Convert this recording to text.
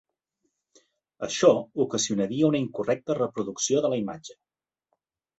Això ocasionaria una incorrecta reproducció de la imatge.